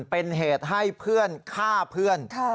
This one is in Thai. เป็นเหตุให้เพื่อนฆ่าเพื่อน